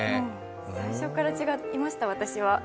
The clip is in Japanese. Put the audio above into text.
最初から違いました、私は。